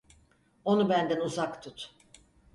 Onu benden uzak tut.